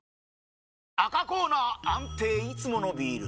赤コーナー安定いつものビール！